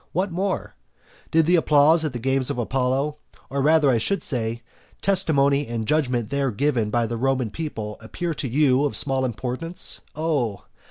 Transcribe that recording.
What more? Did the applause at the games of Apollo, or, I should rather say, testimony and judgment there given by the Roman people, appear to you of small importance? Oh!